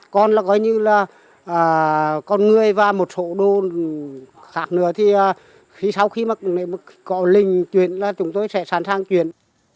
còn là gọi như là con người và một số đồ khác nữa thì sau khi mà có linh chuyển là chúng tôi sẽ sẵn sàng chuyển